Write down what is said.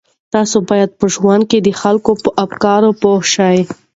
تاسو باید په ژوند کې د خلکو په افکارو پوه شئ.